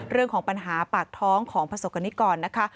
เรื่องของปัญหาปากท้องของประสบกรณิกรนะคะ